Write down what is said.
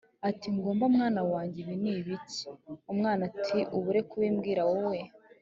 ati « Ngoma mwana wanjye ibi ni ibiki?» Umwana ati «ubure kubimbwira wowe